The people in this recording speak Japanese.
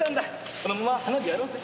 このまま花火やろうぜ。